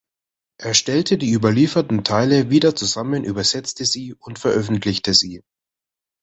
Er stellte die überlieferten Teile wieder zusammen, übersetzte sie und veröffentlichte sie.